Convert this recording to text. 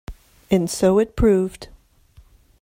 And so it proved.